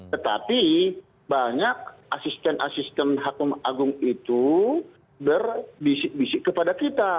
tetapi banyak asisten asisten hakim agung itu berbisik bisik kepada kita